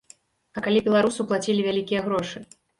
А калі беларусу плацілі вялікія грошы?